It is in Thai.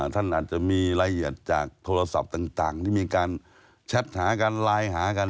ท่านอาจจะมีรายละเอียดจากโทรศัพท์ต่างที่มีการแชทหากันไลน์หากัน